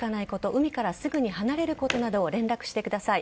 海からすぐに離れることなどを連絡してください。